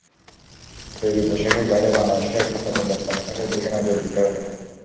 তৈরি পোশাকের বাইরে বাংলাদেশকে এখন নতুন রপ্তানি খাতের দিকে নজর দিতে হবে।